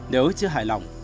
nếu chưa hài lòng